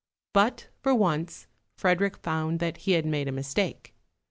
But, for once, Frederick found that he had made a mistake.